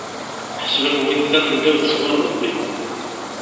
Ḥesben wwin-d tamendawt sɣur Rebbi.